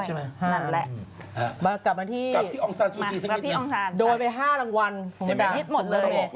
ห้ามแล้วมากลับมาที่โดยไป๕รางวันผมดังทิศหมดเลย